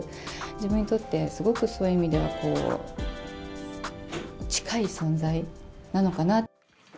自分にとって、すごくそういう意味では、近い存在なのかな。